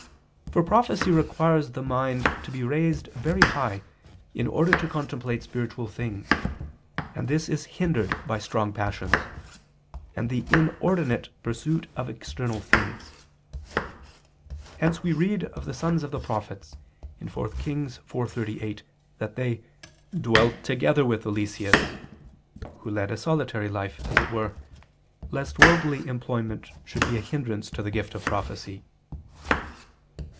For prophecy requires the mind to be raised very high in order to contemplate spiritual things, and this is hindered by strong passions, and the inordinate pursuit of external things. Hence we read of the sons of the prophets (4 Kings 4:38) that they "dwelt together with [Vulg.: 'before']" Eliseus, leading a solitary life, as it were, lest worldly employment should be a hindrance to the gift of prophecy.